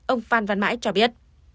ông phan văn mãi cho biết